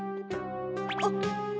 あっ！